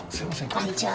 こんにちは